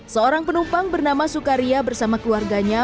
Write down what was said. seorang penumpang bernama sukaria bersama keluarganya